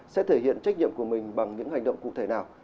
sẽ thể hiện trách nhiệm của mình bằng những hành động cụ thể nào